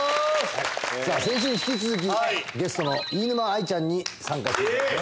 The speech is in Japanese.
先週に引き続きゲストの飯沼愛ちゃんに参加していただきます